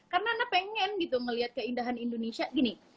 karena anak pengen gitu ngeliat keindahan indonesia gini